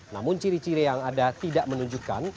namun ciri ciri yang ada tidak menunjukkan